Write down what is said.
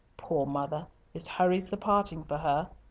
Poor mother! this hurries the parting for her.